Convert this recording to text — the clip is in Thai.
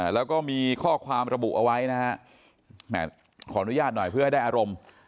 แล้วก็มีข้อความระบุเอาไว้นะฮะขออนุญาตหน่อยเพื่อให้ได้อารมณ์